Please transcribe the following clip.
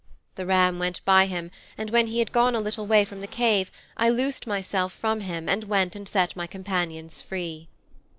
The ram went by him, and when he had gone a little way from the cave I loosed myself from him and went and set my companions free.'